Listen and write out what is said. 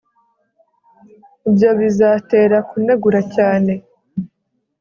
Ibyo bizatera kunegura cyane